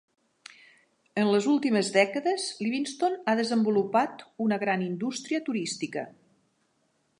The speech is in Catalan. En les últimes dècades, Livingston ha desenvolupat una gran indústria turística.